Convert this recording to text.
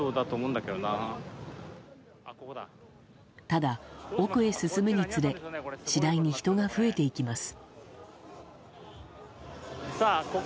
ただ、奥に進むにつれ次第に人が増えていきます。